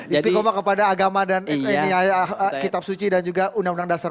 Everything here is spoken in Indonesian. istiqomah kepada agama dan kitab suci dan juga undang undang dasar